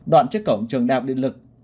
đoạn trước cổng trường đại học điện lực